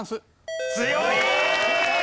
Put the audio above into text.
強い！